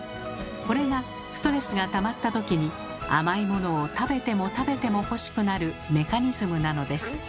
これがストレスがたまったときに甘いものを食べても食べても欲しくなるメカニズムなのです。